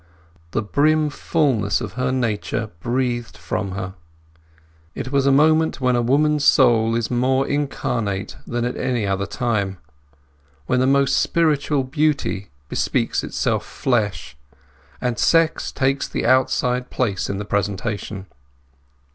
The brim fulness of her nature breathed from her. It was a moment when a woman's soul is more incarnate than at any other time; when the most spiritual beauty bespeaks itself flesh; and sex takes the outside place in the presentation.